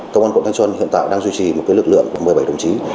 công an quận thánh xuân hiện tại đang duy trì một lực lượng một mươi bảy đồng chí